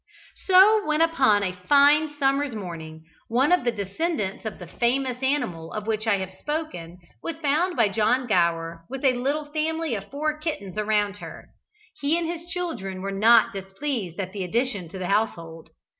So when, upon a fine summer's morning, one of the descendants of the famous animal of which I have spoken was found by John Gower with a little family of four kittens around her, he and his children were not displeased at the addition to their household.